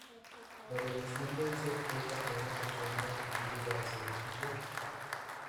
La ordenación debe ser hecha con una persona de testigo para ser oficial.